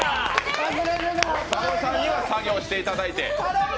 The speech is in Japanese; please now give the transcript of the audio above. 佐野さんには作業していただいて。